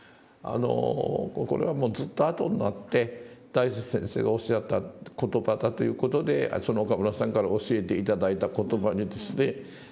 これはもうずっと後になって大拙先生がおっしゃった言葉だという事で岡村さんから教えて頂いた言葉にですね